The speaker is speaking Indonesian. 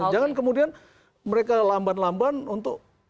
jangan kemudian mereka lamban lamban untuk